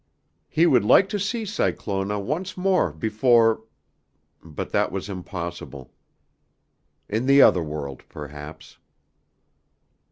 He would like to see Cyclona once more before, but that was impossible. In the other world, perhaps.